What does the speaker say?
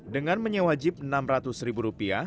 dengan menyewa jeep enam ratus ribu rupiah